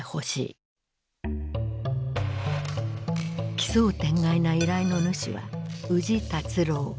奇想天外な依頼の主は宇治達郎。